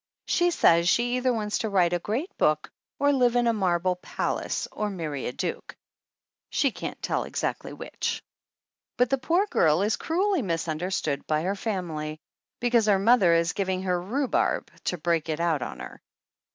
She says she either wants to write a great book or live in a marble palace or marry a duke, she can't tell exactly which. But the poor girl is cruelly misunderstood by her family, because her mother is giving her rhubarb to break it out on her.